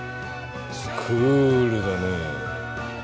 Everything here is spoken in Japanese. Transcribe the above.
クールだねえ。